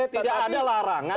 tidak ada larangan